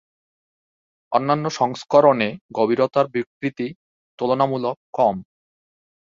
অন্যান্য সংস্করণে গভীরতার বিকৃতি তুলনামূলক কম।